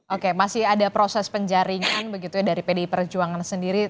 oke masih ada proses penjaringan begitu ya dari pdi perjuangan sendiri